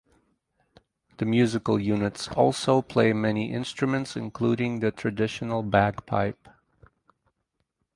The musical units also play many instruments including the traditional bagpipe.